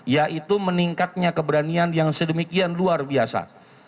yaitu meningkatnya keberanian yang sedemikian luar biasa